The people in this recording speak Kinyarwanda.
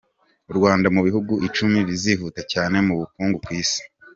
U Rwanda mu bihugu icumi bizihuta cyane mu bukungu ku isi